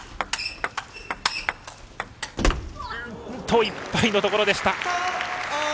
いっぱいのところでした。